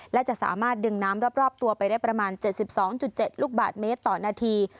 และจะสามารถดึงน้ำรอบตัวไปได้ประมาณ๗๒๗ลูกบาทเมตรต่อนาที